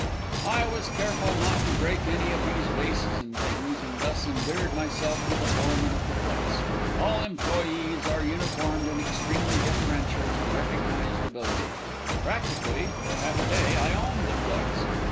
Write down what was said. I was careful not to break any of these vases and things, and thus endeared myself to the foreman of the place. All employes are uniformed and extremely deferential to recognized ability. Practically, for half a day, I owned the place.